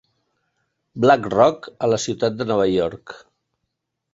"Black Rock", a la ciutat de Nova York.